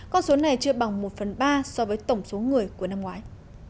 con số này chưa bằng một phần ba so với tổng số người của năm ngoái